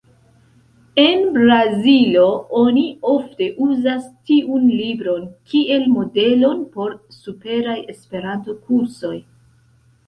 En Brazilo oni ofte uzas tiun libron kiel modelon por superaj Esperanto-kursoj.